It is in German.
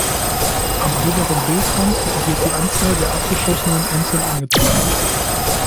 Am oberen Bildrand wird die Anzahl der abgeschossenen Enten angezeigt.